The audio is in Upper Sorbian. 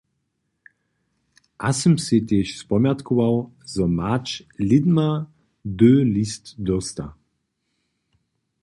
A sym sej tež spomjatkował, zo mać lědma hdy list dósta.